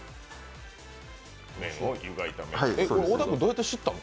小田くん、どうやって知ったの？